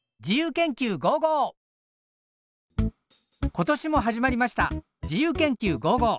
今年も始まりました「自由研究５５」。